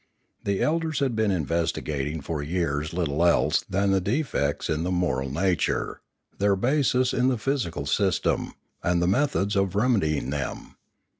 The elders had been investigating for years little else than the defects in the moral nature, their bases in the physical system, and the methods of remedying them.